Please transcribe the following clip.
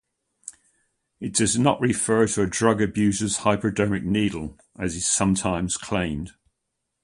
It does not refer to a drug abuser's hypodermic needle, as is sometimes claimed.